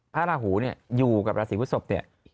พระราหูเนี่ยอยู่กับราศีพฤศพเนี่ย